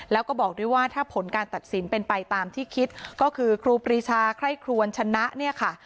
แล้วก็บอกด้วยว่าถ้าผลการตัดสินเป็นไปตามที่คิดก็คือครูปรีชาใคร่ครวนชนะเนี่ยค่ะ